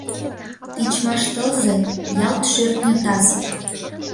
Тичмаш тылзе — ялт шӧртньӧ таз.